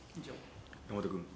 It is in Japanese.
山本君。